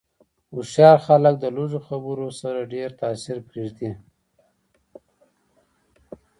هوښیار خلک د لږو خبرو سره ډېر تاثیر پرېږدي.